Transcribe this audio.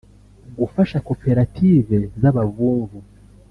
gufasha koperative z’abavumvu